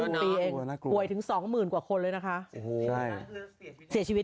น่ากลัวปีเองป่วยถึงสองหมื่นกว่าคนเลยนะคะใช่คือเสียชีวิต